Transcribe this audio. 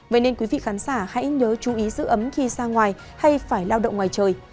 vậy nên quý vị khán giả hãy nhớ chú ý giữ ấm khi ra ngoài hay phải lao động ngoài trời